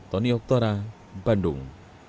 tony oktora bandung